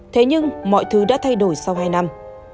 thế nhưng mọi thứ đã thay đổi sau hai năm